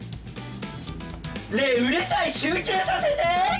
ねえうるさい集中させて！